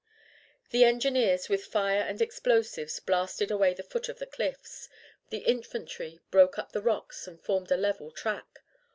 The engineers with fire and explosives blasted away the foot of the cliffs; the infantry broke up the rocks and formed a level track.